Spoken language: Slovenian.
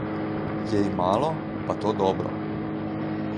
Jej malo, pa to dobro.